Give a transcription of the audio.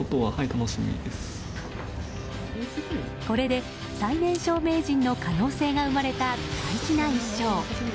これで最年少名人の可能性が生まれた大事な１勝。